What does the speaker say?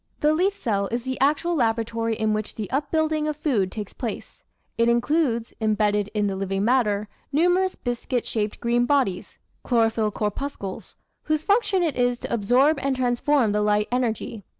The leaf cell is the actual laboratory in which the upbuilding of food takes place; it includes, embedded in the living matter, numerous biscuit shaped green bodies (chlorophyll corpuscles) , whose function it is to absorb and transform the light energy.